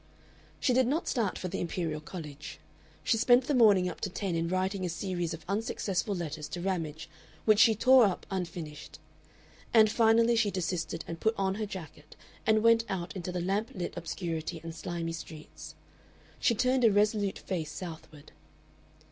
She did not start for the Imperial College. She spent the morning up to ten in writing a series of unsuccessful letters to Ramage, which she tore up unfinished; and finally she desisted and put on her jacket and went out into the lamp lit obscurity and slimy streets. She turned a resolute face southward.